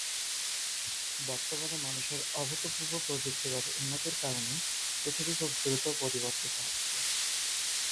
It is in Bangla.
বর্তমানে মানুষের অভূতপূর্ব প্রযুক্তিগত উন্নতির কারণে পৃথিবী খুব দ্রুত পরিবর্তিত হচ্ছে।